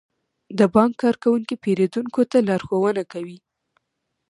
د بانک کارکونکي پیرودونکو ته لارښوونه کوي.